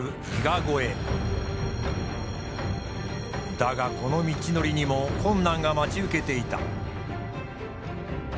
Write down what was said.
だがこの道のりにも困難が待ち受けていた。